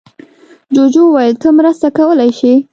جوجو وویل ته مرسته کولی شې.